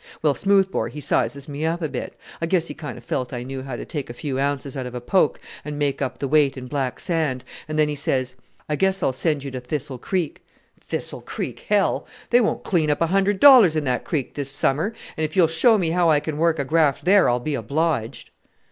Well, Smoothbore, he sizes me up a bit. I guess he kind of felt I knew how to take a few ounces out of a poke and make up the weight in black sand and then he says: 'I guess I'll send you to Thistle Creek' Thistle Creek! hell! They won't clean up a hundred dollars in that creek this summer; and if you'll show me how I can work a graft there, I'll be obliged."